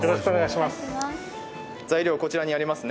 材料はこちらにありますね。